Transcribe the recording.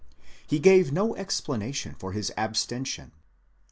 He gave no explanation for his abstention.